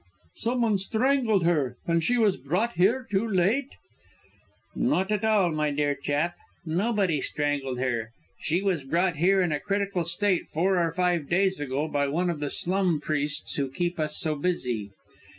"Someone strangled her, and she was brought here too late?" "Not at all, my dear chap; nobody strangled her. She was brought here in a critical state four or five days ago by one of the slum priests who keep us so busy.